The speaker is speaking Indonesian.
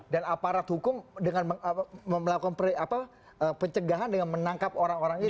dan aparat hukum dengan melakukan pencegahan dengan menangkap orang orang itu